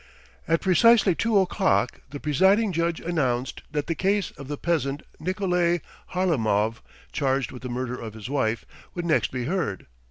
At precisely two o'clock the presiding judge announced that the case "of the peasant Nikolay Harlamov, charged with the murder of his wife," would next be heard.